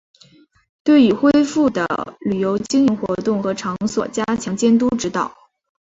对已恢复的旅游经营活动和场所加强监督指导